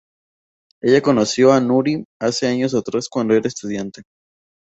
Ella conoció a Nuri hace años atrás cuando era estudiante.